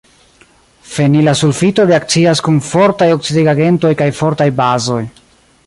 Fenila sulfito reakcias kun fortaj oksidigagentoj kaj fortaj bazoj.